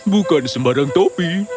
bukan sembarang topi